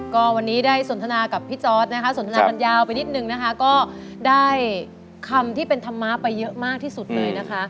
ก็วันนี้ได้สนทนากับพี่จอร์ดนะคะสนทนากันยาวไปนิดนึงนะคะก็ได้คำที่เป็นธรรมะไปเยอะมากที่สุดเลยนะคะ